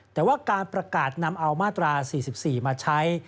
แต่ว่าการประกาศนำเอามาตรา๔๔มาใช้